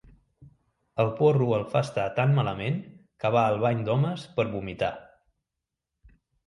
El porro el fa estar tan malament que va al bany d'homes per vomitar.